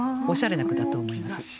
おしゃれな句だと思います。